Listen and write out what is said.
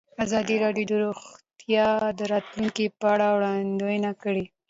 ازادي راډیو د روغتیا د راتلونکې په اړه وړاندوینې کړې.